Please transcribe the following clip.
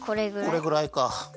これぐらいか。